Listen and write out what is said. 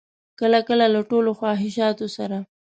کله کله له ټولو خواهشاتو سره.